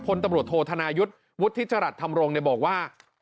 คนตำรวจโทษธนายุทธ์วุฒิศจรรย์ธรรมรงค์เนี่ยบอกว่า